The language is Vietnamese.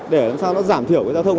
để làm sao nó giảm thiểu cái giao thông